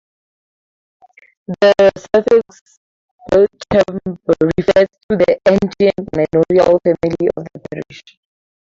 The suffix 'Beauchamp' refers to the ancient manorial family of the parish.